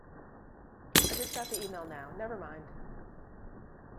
I just got the email now, never mind!.